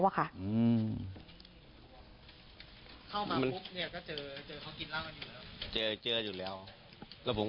ไม่เคยมาครับ